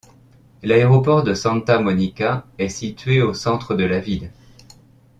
L'aéroport de Santa Monica est situé au centre de la ville.